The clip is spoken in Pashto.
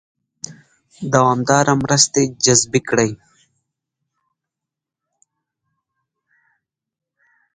دوامدارې مرستې جذبې کړي.